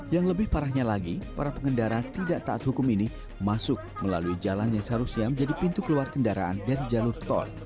yang lebih parahnya lagi para pengendara tidak taat hukum ini masuk melalui jalan yang seharusnya menjadi pintu keluar kendaraan dari jalur tol